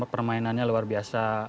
pemainannya luar biasa